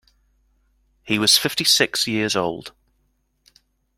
He was fifty-six years old.